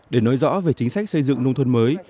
để nói rõ về chính sách xây dựng nông thôn mới